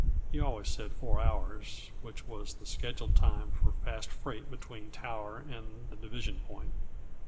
(He always said four hours, which was the schedule time for fast freight between Tower and the division point.)